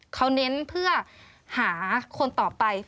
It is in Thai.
เขาเน้นเพื่อหาคนต่อไป